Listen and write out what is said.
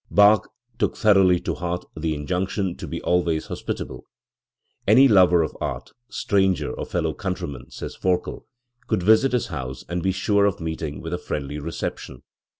Bach took thoroughly to heart the injunction to be al ways hospitable. "Any lover of art, stranger or fellow countryman", says Forkel, u could visit his house and be sure of meeting with a friendly reception.